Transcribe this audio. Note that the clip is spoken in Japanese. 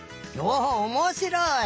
おっおもしろい！